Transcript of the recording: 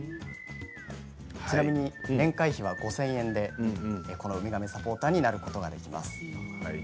ちなみに年会費は５０００円でこのウミガメサポーターになることができます。